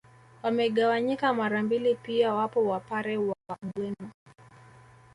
Wamegawanyika mara mbili pia wapo Wapare wa Ugweno